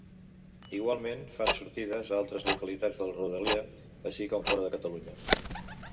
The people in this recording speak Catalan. Igualment, fan sortides a altres localitats de la rodalia, així com fora de Catalunya.